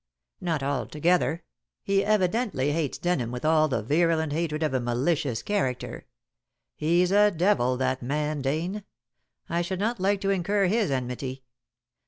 "Not altogether. He evidently hates Denham with all the virulent hatred of a malicious character. He's a devil, that man Dane. I should not like to incur his enmity.